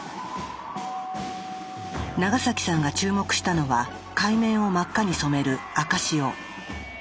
長さんが注目したのは海面を真っ赤に染める赤潮。